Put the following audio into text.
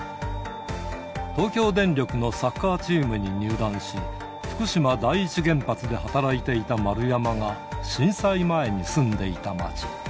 東京電力のサッカーチームに入団し、福島第一原発で働いていた丸山が、震災前に住んでいた街。